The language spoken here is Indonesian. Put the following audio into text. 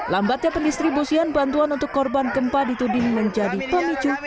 lambatnya pendistribusian bantuan untuk korban gempa dituding menjadi pemicu